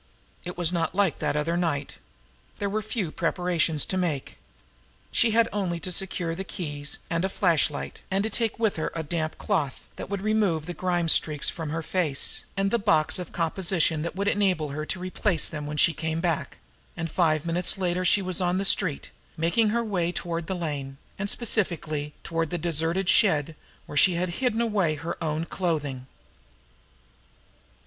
It was not like that other night. There were few preparations to make. She had only to secure the keys and a flashlight, and to take with her the damp cloth that would remove the grime streaks from her face, and the box of composition that would enable her to replace them when she came back and five minutes later she was on the street, making her way toward the lane, and, specifically, toward the deserted shed where she had hidden away her own clothing.